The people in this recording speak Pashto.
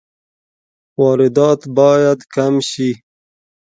واردات باید کم شي